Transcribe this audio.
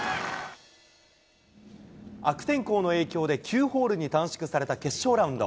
悪天候の影響で９ホールに短縮された決勝ラウンド。